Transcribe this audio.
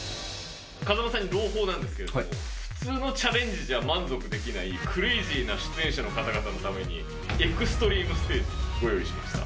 風間さんに朗報なんですけど、普通のチャレンジじゃ満足できない、クレイジーな出演者の方々のために、エクストリームステージ、ご用意しました。